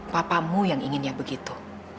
papamu yang inginnya begitu